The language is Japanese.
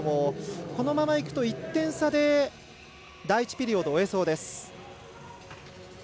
このままいくと１点差で第１ピリオド終えそうです。